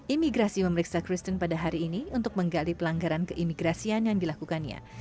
imigrasi memeriksa kristen pada hari ini untuk menggali pelanggaran keimigrasian yang dilakukannya